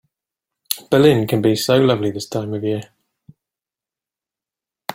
Berlin can be so lovely this time of year.